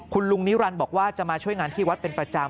คุณลุงนิรันดิ์บอกว่าจะมาช่วยงานที่วัดเป็นประจำ